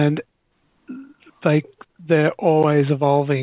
dan mereka selalu berkembang